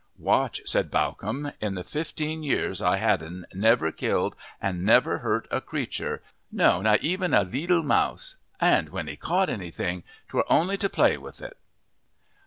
"Watch," said Bawcombe, "in the fifteen years I had 'n, never killed and never hurt a creature, no, not even a leetel mouse, and when he caught anything 'twere only to play with it."